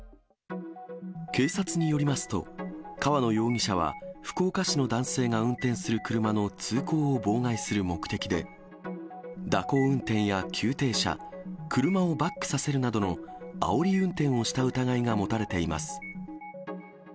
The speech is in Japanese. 警察によりますと、河野容疑者は福岡市の男性が運転する車の通行を妨害する目的で、蛇行運転や急停車、車をバックさせるなどのあおり運転をした疑いが持たれています。